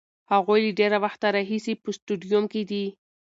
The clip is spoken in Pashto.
هغوی له ډېر وخته راهیسې په سټډیوم کې دي.